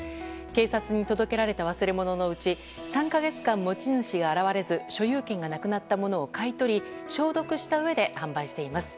警察に届けられた忘れ物のうち３か月間、持ち主が現れず所有権がなくなったものを買い取り消毒したうえで販売しています。